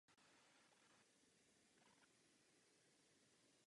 V posledních letech před smrtí trpěl srdeční chorobou.